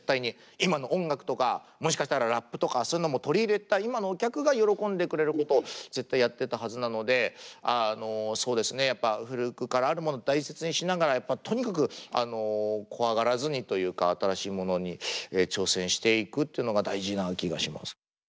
今の音楽とかもしかしたらラップとかそういうのも取り入れた今のお客が喜んでくれることを絶対やってたはずなのでそうですねやっぱ古くからあるものを大切にしながらとにかく怖がらずにというか新しいものに挑戦していくっていうのが大事な気がします。